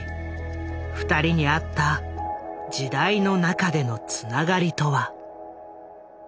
２人にあった「時代の中でのつながり」とは？